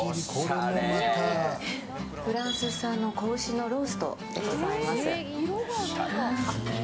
フランス産の仔牛のローストでございます。